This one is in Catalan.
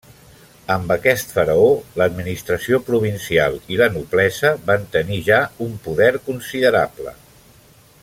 Amb aquest faraó, l'administració provincial i la noblesa van tenir ja un poder considerable.